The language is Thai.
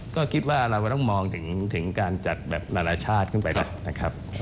ก็คิดว่าเราก็ต้องมองถึงการจัดแบบนานาชาติขึ้นไปก่อนนะครับ